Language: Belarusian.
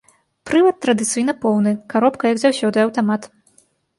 Прывад традыцыйна поўны, каробка, як заўсёды, аўтамат.